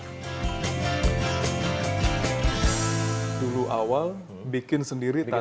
dulu awal bikin sendiri tapi